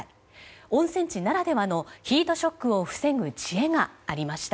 温泉地ならではのヒートショックを防ぐ知恵がありました。